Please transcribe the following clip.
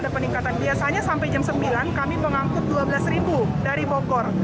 ada peningkatan biasanya sampai jam sembilan kami mengangkut dua belas ribu dari bogor